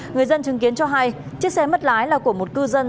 người dân chứng kiến cho hay chiếc xe mất lái là của một cư dân